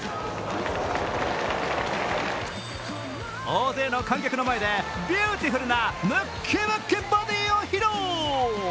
大勢の観客の前で、ビューティフルなムッキムキＢＯＤＹを披露。